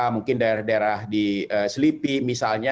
mungkin daerah daerah di selipi misalnya